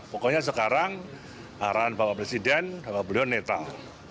pokoknya sekarang arahan bapak presiden bapak beliau netral